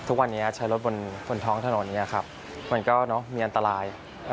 ทุกวันนี้ใช้รถบนท้องถนนเนี่ยครับมันก็มีอันตราย